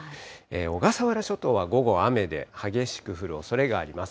小笠原諸島は午後雨で、激しく降るおそれがあります。